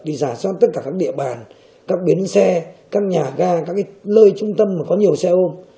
đi giả soát tất cả các địa bàn các bến xe các nhà ga các cái lơi trung tâm mà có nhiều xe ôm